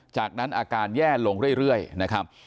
จากนั้นอาการแย่ลงเรื่อยนะครับ